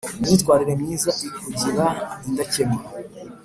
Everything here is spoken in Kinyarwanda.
Imyitwarire myiza ikugira indakemwa.